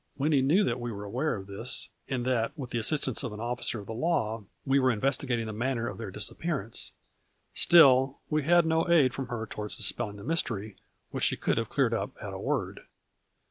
Winnie knew that we were aware of this, and that, with the assistance of an officer of the law, we were in vestigating the manner of their disappearance ; A FLURRY IN DIAMONDS. 61 still we had no aid from her toward dispelling the mystery, which she could have cleared up at a word.